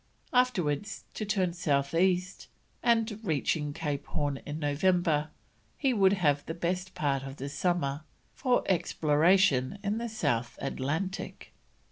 Afterwards to turn south east, and, reaching Cape Horn in November, he would have the best part of the summer for exploration in the South Atlantic.